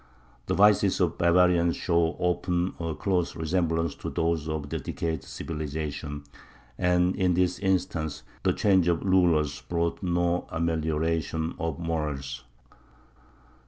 The vices of barbarians show often a close resemblance to those of decayed civilization, and in this instance the change of rulers brought no amelioration of morals.